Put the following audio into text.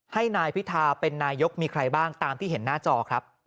ให้นายพิธาเป็นนายกมีใครบ้างตามที่เห็นหน้าจอครับ